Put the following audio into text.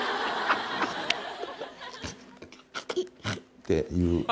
っていう。